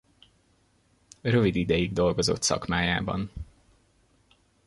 Rövid ideig dolgozott szakmájában.